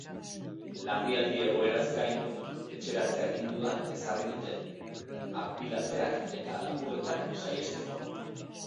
Larrialdi egoeraz gain, etxeratze-agindua ezarri dute, arpilatzeak eta lapurretak saihesteko.